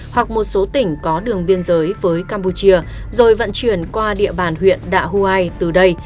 hoặc một số tỉnh có đường biên giới với campuchia rồi vận chuyển qua địa bàn huyện đạ huai từ đây